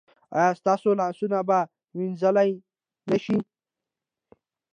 ایا ستاسو لاسونه به وینځل نه شي؟